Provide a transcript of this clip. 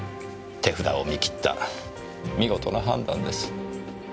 手札を見切った見事な判断です。